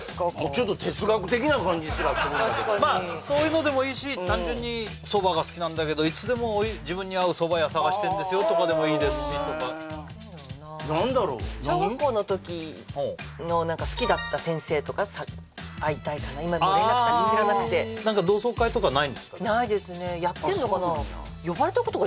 ちょっと哲学的な感じすらするんだけどそういうのでもいいし単純にそばが好きなんだけどいつでも自分に合うそば屋探してるんですよとかでもいい何だろうな何だろう？小学校の時の何か好きだった先生とか会いたいかなないですねやってんのかな？